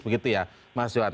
begitu ya mas juhan